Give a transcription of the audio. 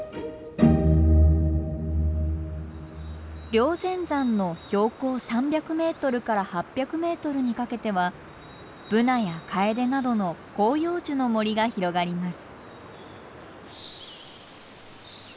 霊仙山の標高３００メートルから８００メートルにかけてはブナやカエデなどの広葉樹の森が広がります。